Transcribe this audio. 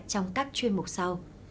trong các chuyên mục sau